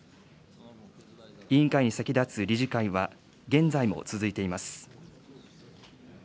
委員会に先立つ理事会は、現在も続いています。